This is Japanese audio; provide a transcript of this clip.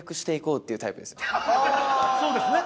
そうですね。